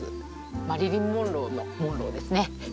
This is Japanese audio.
マリリン・モンローのモンローですね。